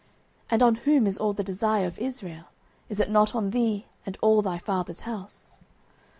And on whom is all the desire of Israel? Is it not on thee, and on all thy father's house?